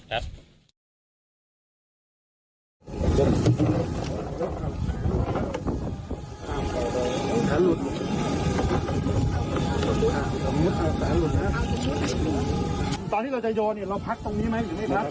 ตอนที่เราจะโยนเราพักตรงนี้ไหม